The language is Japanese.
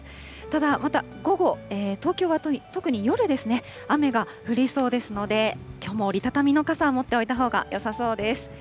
ただ、また午後、東京は特に夜ですね、雨が降りそうですので、きょうも折り畳みの傘、持っておいたほうがよさそうです。